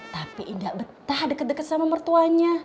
tapi indah betah deket deket sama mertuanya